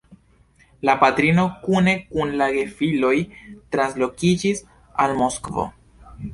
La patrino kune kun la gefiloj translokiĝis al Moskvo.